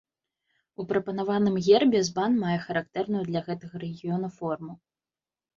У прапанаваным гербе збан мае характэрную для гэтага рэгіёна форму.